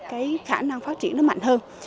cái khả năng phát triển nó mạnh hơn